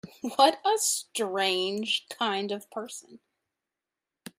What a strange kind of person!